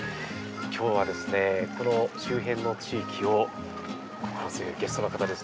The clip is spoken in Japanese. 今日は、この周辺の地域をゲストの方と。